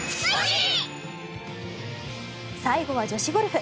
最後は女子ゴルフ。